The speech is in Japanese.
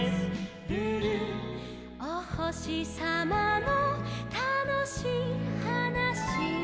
「おほしさまのたのしいはなし」